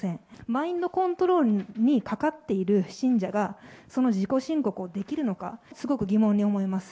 マインドコントロールにかかっている信者が、その自己申告をできるのか、すごく疑問に思います。